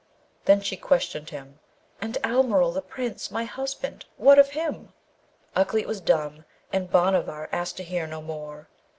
Then she questioned him: 'And Almeryl, the Prince, my husband, what of him?' Ukleet was dumb, and Bhanavar asked to hear no more.